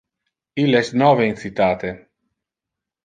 Ille es nove in citate.